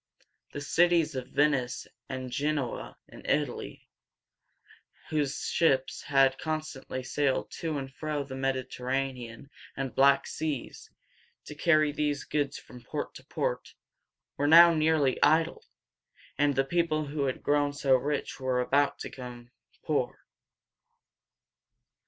The cities of Ven´ice and Gen´o a in Italy, whose ships had constantly sailed to and fro in the Mediterranean and Black seas, to carry these goods from port to port, were now nearly idle, and the people who had grown so rich were about to become poor.